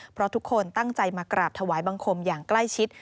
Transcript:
เพราะทุกคนตั้งใจมากราบถวายบังคมอย่างใกล้ชิด